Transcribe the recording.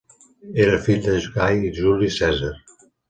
Era fill de Gai Juli Cèsar.